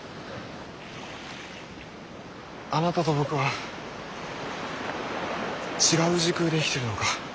あなたと僕は違う時空で生きてるのか？